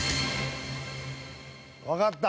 わかった。